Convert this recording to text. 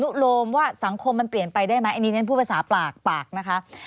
โรมว่าสังคมมันเปลี่ยนไปได้ไหมอันนี้ฉันพูดภาษาปากปากนะคะ